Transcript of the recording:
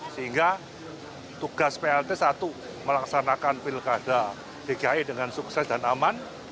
sehingga tugas plt satu melaksanakan pilkada dki dengan sukses dan aman